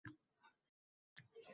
Biri uni qildi zabun